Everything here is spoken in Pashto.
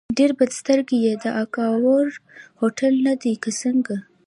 ډېر بد سترګی یې، دا کاوور هوټل نه دی که څنګه؟